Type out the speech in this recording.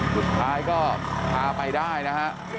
ซก็พาไปได้นะฮะ